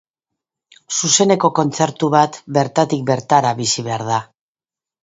Zuzeneko kontzertu bat bertatik bertara bizi behar da.